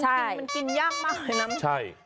มันกินยากมากเลยนะ